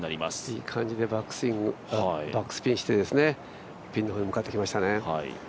いい感じでバックスピンしてピンの方に向かっていきましたね。